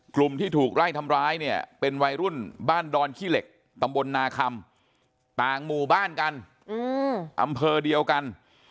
กลุ่มที่ถูกไล่ทำร้ายเนี่ยเป็นวัยรุ่นบ้านดอนขี้เหล็กตำบลนาคำต่างหมู่บ้านกันอำเภอเดียวกัน